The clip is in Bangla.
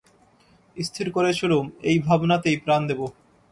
স্থির করেছিলুম এই ভাবনাতেই প্রাণ দেব।